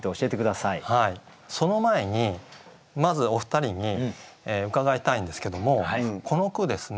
はいその前にまずお二人に伺いたいんですけどもこの句ですね